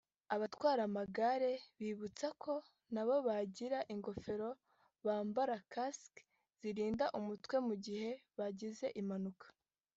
abatwara amagare bibutswa ko nabo bagira ingofero bambara “casque” zarinda umutwe mu gihe baba bagize impanuka